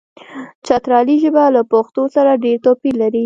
چترالي ژبه له پښتو سره ډېر توپیر لري.